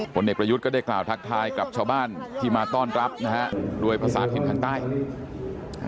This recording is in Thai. พลเอกประยุทธ์ก็ได้กล่าวทักทายกับชาวบ้านที่มาต้อนรับนะฮะ